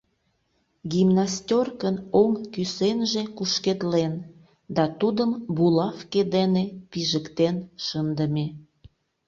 Гимнастеркын оҥ кӱсенже кушкедлен да тудым булавке дене пижыктен шындыме.